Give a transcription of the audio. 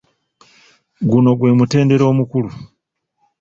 Guno gwe mutendera omukulu.